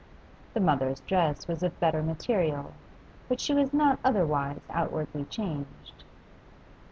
The mother's dress was of better material, but she was not otherwise outwardly changed.